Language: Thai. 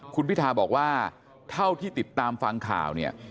คุณพิทาบอกว่าเท่าที่ติดตามฟังข่าวเนี่ย